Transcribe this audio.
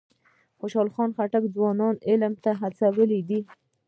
خوشحال خان ځوانان علم ته هڅولي دي.